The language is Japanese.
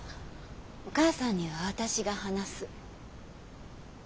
お母さんには私が話す。